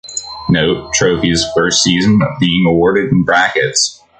Note: Trophy's first season being awarded in brackets.